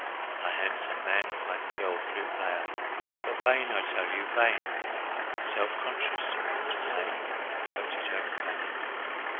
"A handsome man," cried the girl flute player, "but vain, I tell you, vain " "Self conscious, you ought to say," corrected her companion.